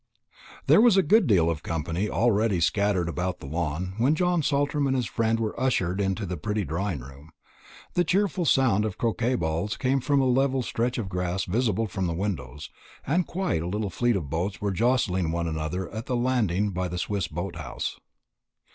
There was a good deal of company already scattered about the lawn when John Saltram and his friend were ushered into the pretty drawing room. The cheerful sound of croquet balls came from a level stretch of grass visible from the windows, and quite a little fleet of boats were jostling one another at the landing by the Swiss boat house.